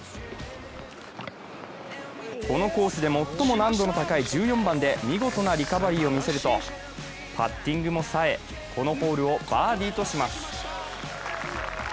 このコースで最も難度の高い１４番で見事なリカバリーを見せると、パッティングもさえ、このホールをバーディーとします。